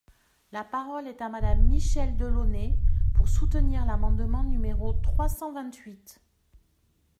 La parole est à Madame Michèle Delaunay, pour soutenir l’amendement numéro trois cent vingt-huit.